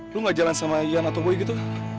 lu ga jalan sama ian atau boy gitu